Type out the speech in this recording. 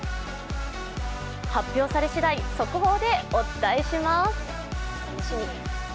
発表されしだい、速報でお伝えします。